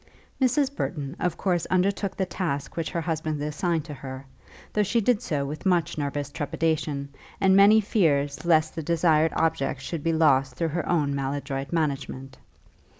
Mrs. Burton of course undertook the task which her husband assigned to her, though she did so with much nervous trepidation, and many fears lest the desired object should be lost through her own maladroit management.